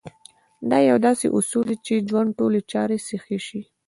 دا يو داسې اصول دی چې ژوند ټولې چارې سيخې شي.